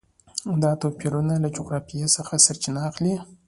دا توپیرونه له جغرافیې څخه سرچینه اخلي.